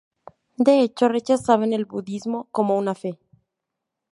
De hecho, rechazaban el budismo como una fe.